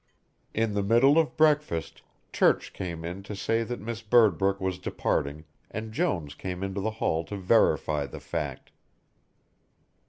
In the middle of breakfast, Church came in to say that Miss Birdbrook was departing and Jones came into the hall to verify the fact.